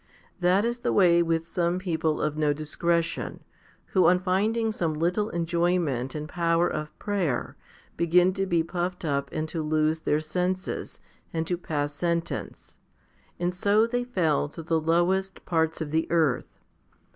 That is the way with some people of no discretion, who, on finding some little enjoyment and power of prayer, began to be puffed up and to lose their senses, and to pass sentence ; and so they fell to the lowest parts of the earth.